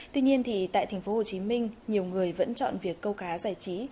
tuy nhiên thì tại tp hcm nhiều người vẫn chọn việc câu cá giải trí